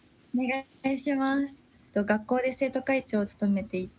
学校で生徒会長を務めていて。